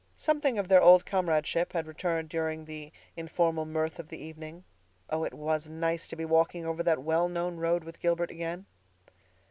Something of their old comradeship had returned during the informal mirth of the evening. Oh, it was nice to be walking over that well known road with Gilbert again!